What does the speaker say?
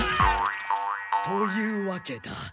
というわけだ。